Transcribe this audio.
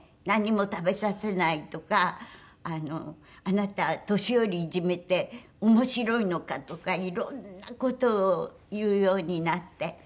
「何も食べさせない」とか「あなた年寄りいじめて面白いのか」とかいろんな事を言うようになって。